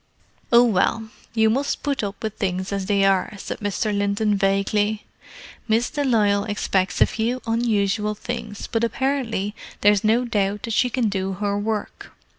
"Oh, well, you must put up with things as they are," said Mr. Linton vaguely. "Miss de Lisle expects a few unusual things, but apparently there is no doubt that she can do her work.